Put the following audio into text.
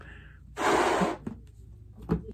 তিনি তার জন্মভূমিতেই কাটান।